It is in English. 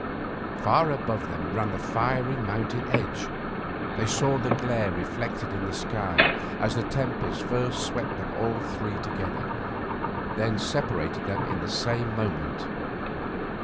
Far above them ran the fiery mountain ridge. They saw the glare reflected in the sky as the tempest first swept them all three together, then separated them in the same moment.